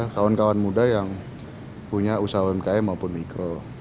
kawan kawan muda yang punya usaha umkm maupun mikro